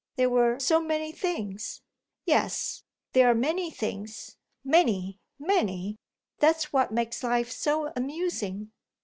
There were so many things." "Yes, there are many things many, many: that's what makes life so amusing."